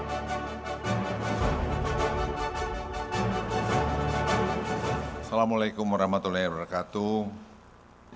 assalamualaikum warahmatullahi wabarakatuh